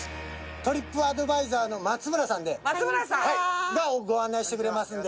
トリップアドバイザーの松村さんがご案内してくれますんで。